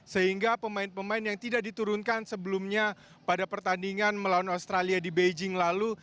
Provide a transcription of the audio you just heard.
sehingga pemain pemain yang tidak diturunkan sebelumnya pada pertandingan melawan australia di beijing lalu